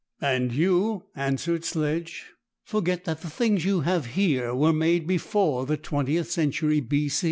"And you," answered Sledge, "forget that the things you have here were made before the Twentieth Century.